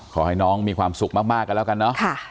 ขอให้น้องมีความสุขมากกันแล้วกันเนอะ